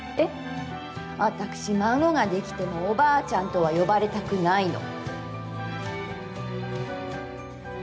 私、孫ができても「おばあちゃん」とは呼ばれたくないの。